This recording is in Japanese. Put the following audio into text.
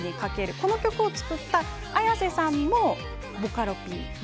この曲を作ったＡｙａｓｅさんもボカロＰ